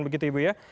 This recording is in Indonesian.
begitu ibu ya